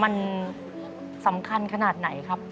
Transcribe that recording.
มันสำคัญขนาดไหนครับ